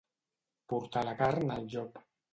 Portar la carn al llop.